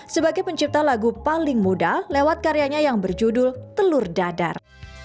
sebagai pencipta lagu paling muda lewat karyanya yang berjudul telur dadar